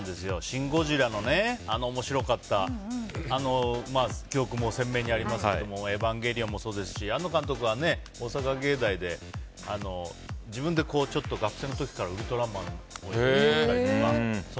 「シン・ゴジラ」のあの面白かった記憶も鮮明にありますけれども「エヴァンゲリオン」もそうですし、庵野監督は大阪芸大で自分で学生の時から「ウルトラマン」とかね。